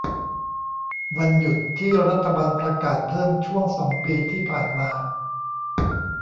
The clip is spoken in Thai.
วันหยุดที่รัฐบาลประกาศเพิ่มช่วงสองปีที่ผ่านมา